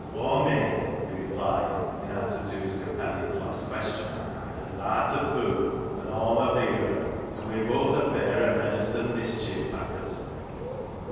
" Aw meean," he repHed, in answer to his companion's last question, " as tha'rt a foo', and Aw'm a bigger, an' we're boath a pair o' meddlesome mischief makkers.